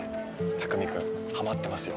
匠君ハマってますよ。